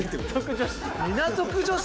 港区女子？